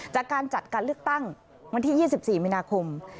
จากการจัดการเลือกตั้งวันที่๒๔มีนาคม